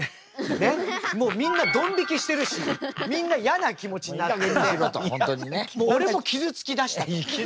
ねっもうみんなドン引きしてるしみんなやな気持ちになっててもう俺も傷つきだしたと。